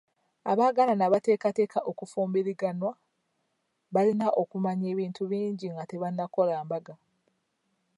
Abaagalana abateekateeka okufumbiriganwa balina okumanya ebintu bingi nga tebannakola mbaga.